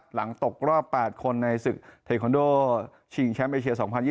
ตกรอบ๘คนในศึกเทคอนโดชิงแชมป์เอเชีย๒๐๒๐